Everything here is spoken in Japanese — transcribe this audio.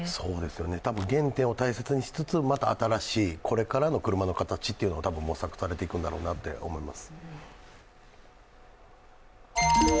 たぶん原点を大切にしつつ、また新しい、これからの車の形を模索されていくんだろうなと思います。